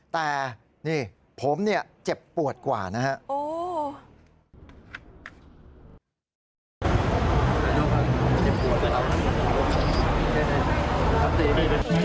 แต่นี่ผมเนี่ยเจ็บปวดกว่านะครับ